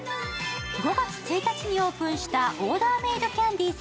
５月１日にオープンしたオーダーメードキャンディー